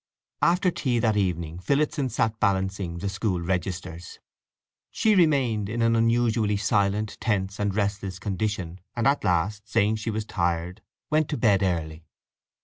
After tea that evening Phillotson sat balancing the school registers. She remained in an unusually silent, tense, and restless condition, and at last, saying she was tired, went to bed early.